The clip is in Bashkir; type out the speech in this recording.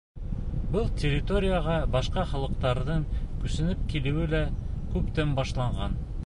Был территорияға башҡа халыҡтарҙың күсенеп килеүе лә күптән башланған.